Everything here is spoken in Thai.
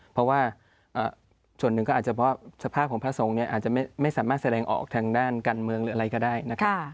เพราะว่าส่วนหนึ่งก็อาจจะเพราะสภาพของพระสงฆ์เนี่ยอาจจะไม่สามารถแสดงออกทางด้านการเมืองหรืออะไรก็ได้นะครับ